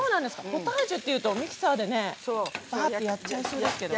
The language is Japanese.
ポタージュっていうとミキサーでやっちゃいそうですけど。